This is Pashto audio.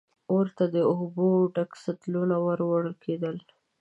اور ته د اوبو ډک سطلونه ور وړل کېدل.